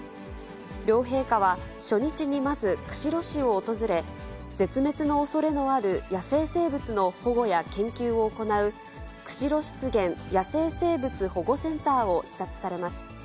両陛下は、初日にまず釧路市を訪れ、絶滅のおそれのある野生生物の保護や研究を行う、釧路湿原野生生物保護センターを視察されます。